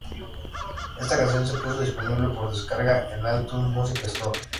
Esta canción se puso disponible por descarga en iTunes Music Store.